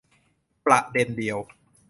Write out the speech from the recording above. ประเด็นเดียว